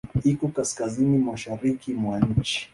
Iko kaskazini-mashariki mwa nchi.